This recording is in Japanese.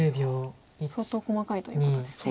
相当細かいということですね。